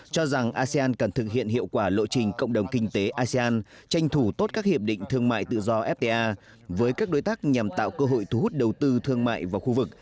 cho rằng asean cần thực hiện hiệu quả lộ trình cộng đồng kinh tế asean tranh thủ tốt các hiệp định thương mại tự do fta với các đối tác nhằm tạo cơ hội thu hút đầu tư thương mại vào khu vực